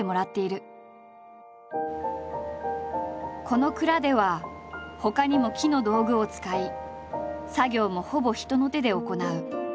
この蔵ではほかにも木の道具を使い作業もほぼ人の手で行う。